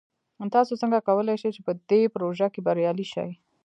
تاسو څنګه کولی شئ چې په دې پروژه کې بریالي شئ؟